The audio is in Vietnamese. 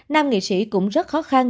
nam nghệ sĩ cũng rất khó khăn